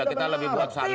bukan kita lebih buat santai